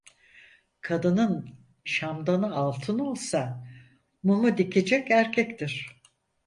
Kadının şamdanı altın olsa mumu dikecek erkektir.